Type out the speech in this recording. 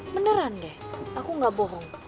beneran deh aku gak bohong